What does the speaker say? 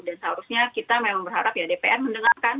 dan seharusnya kita memang berharap ya dpr mendengarkan